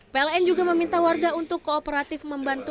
pln juga meminta warga untuk kooperatif membantu